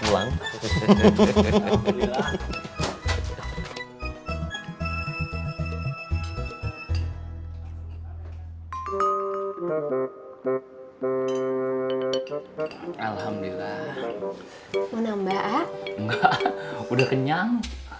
enggak udah kenyang